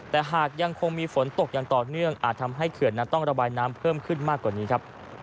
แต่หากยังคงมีฝนตกอย่างต่อเนื่องอาจทำให้เขื่อนนั้นต้องระบายน้ำเพิ่มขึ้นมากกว่านี้ครับ